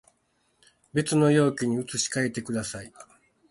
別の容器に移し替えてください